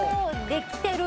できてる！